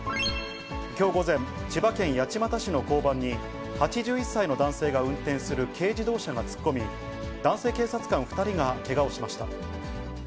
きょう午前、千葉県八街市の交番に、８１歳の男性が運転する軽自動車が突っ込み、男性警察官２人がけがをしました。